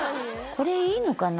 これいいのかな？